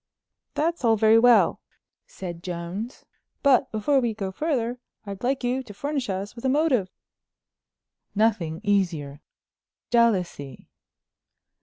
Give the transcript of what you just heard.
"That's all very well," said Jones, "but before we go further I'd like you to furnish us with a motive." "Nothing easier—jealousy."